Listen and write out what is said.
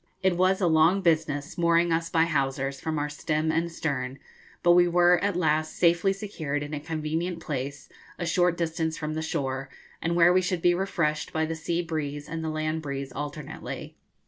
It was a long business mooring us by hawsers, from our stem and stern, but we were at last safely secured in a convenient place, a short distance from the shore, and where we should be refreshed by the sea breeze and the land breeze alternately.